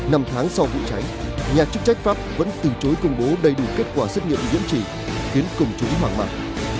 năm tháng sau vụ cháy nhà chức trách pháp vẫn từ chối công bố đầy đủ kết quả xét nghiệm nhiễm trì khiến công chúng hoảng mặt